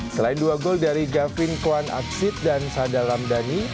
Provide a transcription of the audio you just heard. selain dua gol dari gavin kwan aksit dan sadal ramdhani